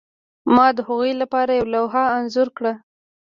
ما د هغوی لپاره یوه لوحه انځور کړه